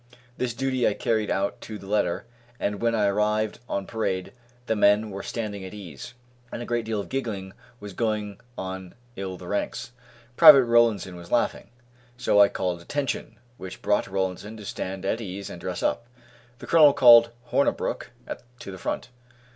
This duty I carried out to the letter, and when I arrived on parade the men were standing at ease, and a great deal of giggling was going on in the ranks. Private Rollinson was laughing, so I called "Attention!" which brought Rollinson to stand at ease and dress up. The colonel called Hornabrook to the front.